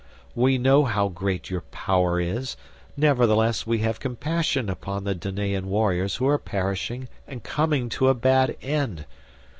We know how great your power is, nevertheless we have compassion upon the Danaan warriors who are perishing and coming to a bad end.